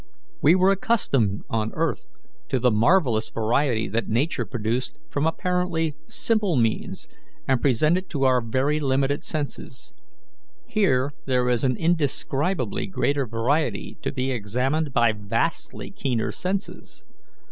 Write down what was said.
We were accustomed on earth to the marvellous variety that Nature produced from apparently simple means and presented to our very limited senses; here there is an indescribably greater variety to be examined by vastly keener senses.